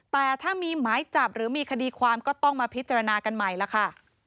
แต่ถ้ามีหมายจับหรือมีคดีความก็ต้องมาพิจารณากันใหม่ล่ะค่ะ